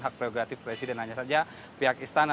hak prerogatif presiden hanya saja pihak istana